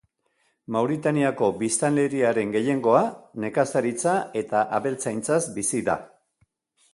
Mauritaniako biztanleriaren gehiengoa nekazaritza eta abeltzaintzaz bizi da.